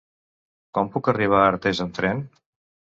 Com puc arribar a Artés amb tren?